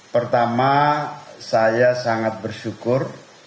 pertama saya sangat bersyukur